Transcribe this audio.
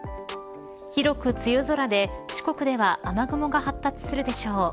広く梅雨空で四国では雨雲が発達するでしょう。